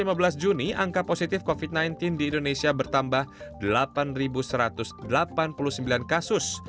pada lima belas juni angka positif covid sembilan belas di indonesia bertambah delapan satu ratus delapan puluh sembilan kasus